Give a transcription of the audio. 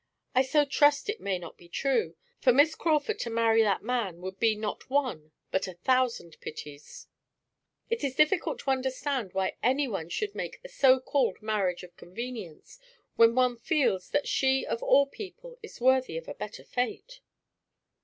I so trust it may not be true; for Miss Crawford to marry that man would be not one, but a thousand pities. It is difficult to understand why anyone should make a so called marriage of convenience; but one feels that she of all people is worthy of a better fate."